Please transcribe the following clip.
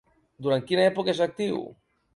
Durant quina època és actiu?